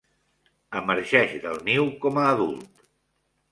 Emergeix del niu com a adult.